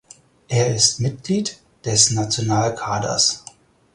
Er ist Mitglied des Nationalkaders.